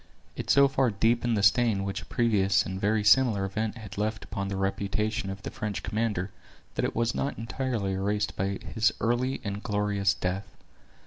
It so far deepened the stain which a previous and very similar event had left upon the reputation of the French commander that it was not entirely erased by his early and glorious death.